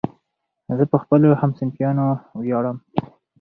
زه په خپلو همصنفیانو ویاړم.